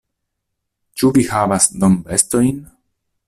Ĉu vi havas dombestojn?